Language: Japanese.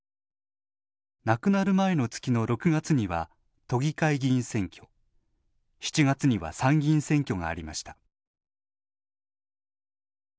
亡くなる前の月の６月には都議会議員選挙７月には参議院選挙がありました。